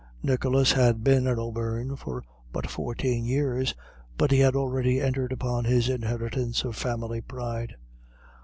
Nicholas had been an O'Beirne for but fourteen years, yet he had already entered upon his inheritance of family pride.